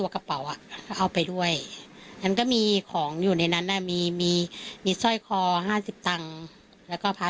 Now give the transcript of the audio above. ค่ะสายยังอยู่แต่ว่าไอ้ตัวกระเป๋าอะ